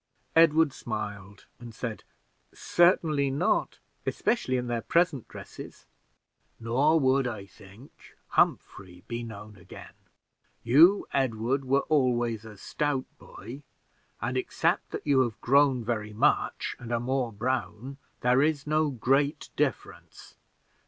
Edward smiled, and said, "Certainly not; especially in their present dresses." "Nor would, I think, Humphrey be known again. You, Edward, were always a stout boy; and, except that you have grown very much, and are more brown, there is no great difference.